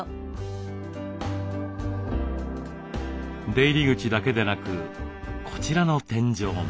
出入り口だけでなくこちらの天井も。